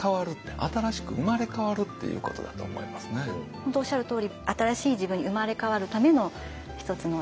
本当おっしゃるとおり新しい自分に生まれ変わるための一つの。